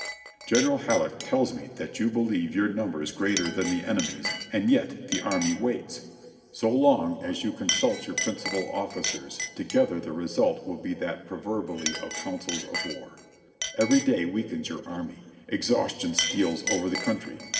"General Halleck tells me that you believe your numbers great er than the enemy's and yet the army waits. So long as you con THE CONFEDERATE STATES OF AMERICA 325 suit your principal officers together the result will be that pro verbially of councils of war. Every day weakens your army. Exhaustion steals over the country.